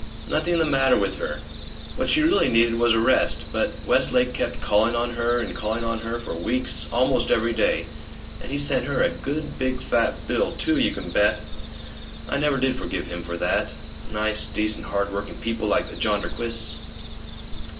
Nothing the matter with her, what she really needed was a rest, but Westlake kept calling on her and calling on her for weeks, almost every day, and he sent her a good big fat bill, too, you can bet! I never did forgive him for that. Nice decent hard working people like the Jonderquists!"